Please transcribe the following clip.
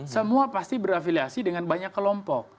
semua pasti berafiliasi dengan banyak kelompok